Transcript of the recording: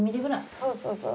そうそうそう。